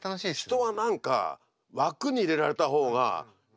人は何か枠に入れられた方が喜びがあるね。